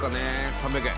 ３００円